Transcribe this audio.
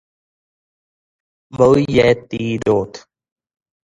Hizo periodismo literario y escribió poemas.